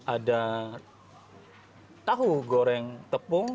ada tahu goreng tepung